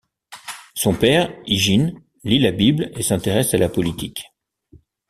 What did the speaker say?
Son père Hygin lit la bible et s’intéresse à la politique.